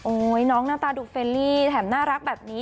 น้องหน้าตาดูเฟรลี่แถมน่ารักแบบนี้